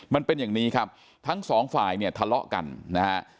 มันเป็นอย่างนี้ครับทั้ง๒ฝ่ายทะเลาะกันนะ